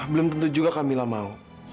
belum tentu juga kamilah mau